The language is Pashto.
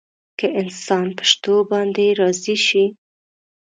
که انسان په شتو باندې راضي شي.